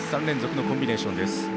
３連続のコンビネーションです。